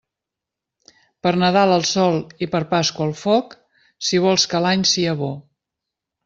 Per Nadal al sol i per Pasqua al foc, si vols que l'any sia bo.